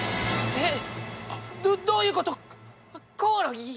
えっ？